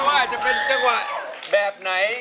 ว่าจะเป็นจังหวะแบบไหน